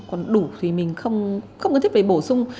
còn đủ thì mình không không cần thiết phải bổ sung